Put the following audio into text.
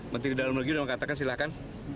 menteri dalam negeri sudah mengatakan silahkan